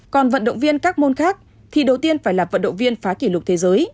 còn vận động viên các môn khác thì đầu tiên phải là vận động viên phá kỷ lục thế giới